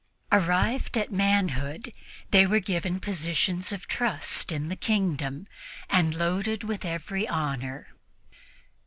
Arrived at manhood, they were given positions of trust in the kingdom and loaded with every honor.